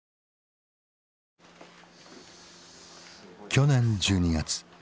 去年１２月。